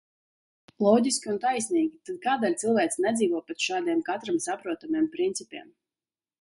Loģiski un taisnīgi. Tad kādēļ cilvēce nedzīvo pēc šādiem, katram saprotamiem principiem?